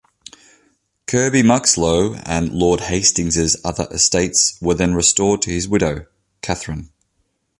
Kirby Muxloe and Lord Hastings' other estates were then restored to his widow, Katherine.